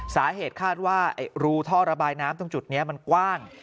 สาเหตุคาดว่ารูท่อระบายน้ำตรงจุดนี้มันกว้าง